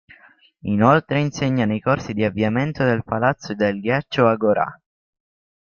Inoltre insegna nei corsi di avviamento del palazzo del ghiaccio Agorà.